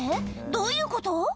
どういうこと？